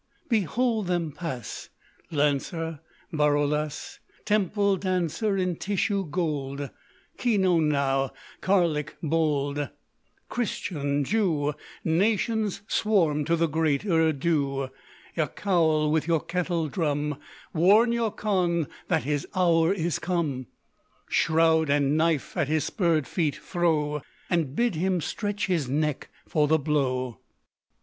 _ Behold them pass!—lancer. Baroulass, Temple dancer In tissue gold, Khiounnou, Karlik bold, Christian, Jew,— Nations swarm to the great Urdu. Yaçaoul, with your kettledrum, Warn your Khan that his hour is come! Shroud and knife at his spurred feet throw, _And bid him stretch his neck for the blow!